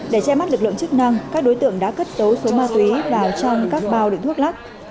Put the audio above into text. để che mắt lực lượng chức năng các đối tượng đã cất tối số ma túy vào trong các bao đựng thuốc lắc